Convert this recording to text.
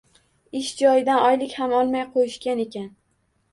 Ish joyidan oylik ham olmay qoʻyishgan ekan.